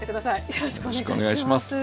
よろしくお願いします。